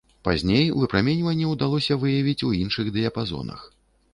Пазней выпраменьванне ўдалося выявіць у іншых дыяпазонах.